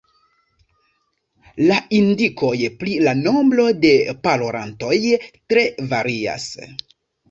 La indikoj pri la nombro de parolantoj tre varias.